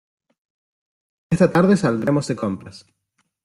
Esta tarde saldremos de compras.